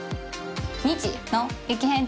「日」の。